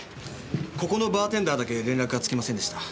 ここのバーテンダーだけ連絡がつきませんでした。